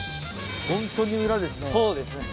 本当に裏ですね。